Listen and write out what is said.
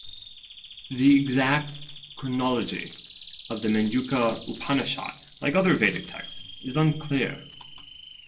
The exact chronology of Manduka Upanishad, like other Vedic texts, is unclear.